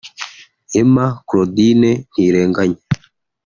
Emma-Claudine Ntirenganya